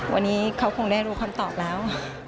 วันนี้เขาคงได้รู้คำตอบแล้ว